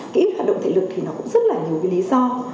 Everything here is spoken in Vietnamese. cái hoạt động thể lực thì nó cũng rất là nhiều cái lý do